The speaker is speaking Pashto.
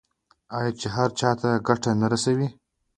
آیا چې هر چا ته ګټه نه رسوي؟